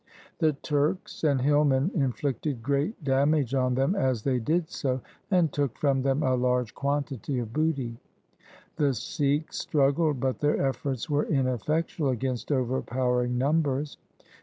The Turks and hillmen inflicted great damage on them as they did so, and took from them a large quantity of booty. The Sikhs struggled, but their efforts were ineffectual against overpowering numbers.